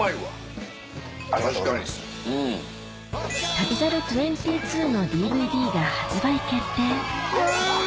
『旅猿２２』のＤＶＤが発売決定うぅ！